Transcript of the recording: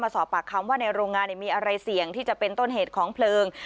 สอบปากคำว่าในโรงงานมีอะไรเสี่ยงที่จะเป็นต้นเหตุของเพลิง